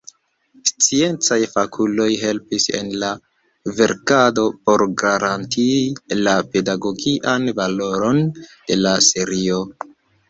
Sciencaj fakuloj helpis en la verkado por garantii la pedagogian valoron de la serio.